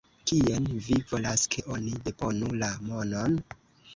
Kien vi volas, ke oni deponu la monon?